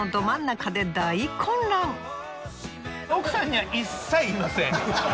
奥さんには一切言いません。